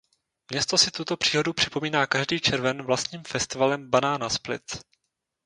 Město si tuto příhodu připomíná každý červen vlastním festivalem Banana Split.